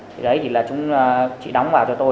thì đấy thì là chúng chị đóng vào cho tôi